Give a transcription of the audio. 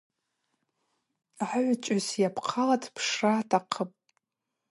Агӏвычӏвгӏвыс йапхъала дпшра атахъыпӏ.